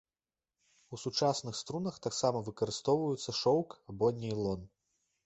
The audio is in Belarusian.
У сучасных струнах таксама выкарыстоўваецца шоўк або нейлон.